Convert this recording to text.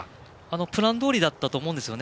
プランどおりだったと思います。